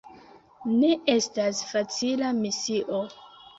Ne estas facila misio!